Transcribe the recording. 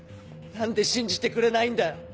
何で信じてくれないんだよ。